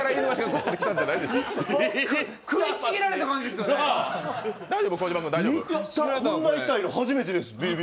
こんな痛いの初めてです。